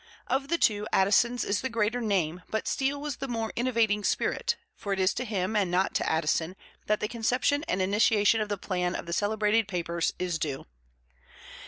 Of the two, Addison's is the greater name, but Steele was the more innovating spirit, for it is to him, and not to Addison, that the conception and initiation of the plan of the celebrated papers is due.